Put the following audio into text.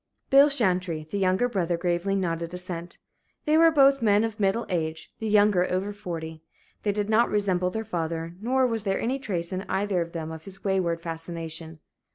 Bill Chantrey, the younger brother, gravely nodded assent. They were both men of middle age, the younger over forty. They did not resemble their father, nor was there any trace in either of them of his wayward fascination.